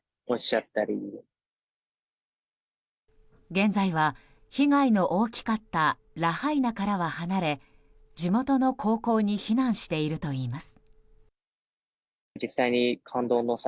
現在は被害の大きかったラハイナからは離れ地元の高校に避難しているといいます。